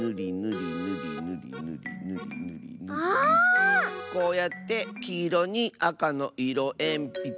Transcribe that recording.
ああっ⁉こうやってきいろにあかのいろえんぴつをぬると。